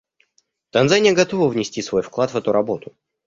Танзания готова внести свой вклад в эту работу.